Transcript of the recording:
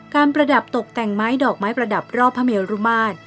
ประดับตกแต่งไม้ดอกไม้ประดับรอบพระเมรุมาตร